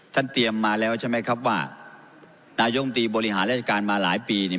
ท่านเตรียมมาแล้วใช่ไหมครับว่านายกรัฐมนตรีบริหารรัฐการณ์มาหลายปีนี่